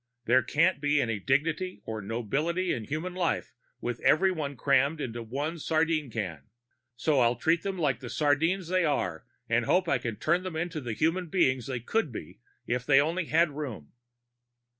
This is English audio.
_There can't be any dignity or nobility in human life with everyone crammed into one sardine can. So I'll treat them like the sardines they are, and hope I can turn them into the human beings they could be if they only had room.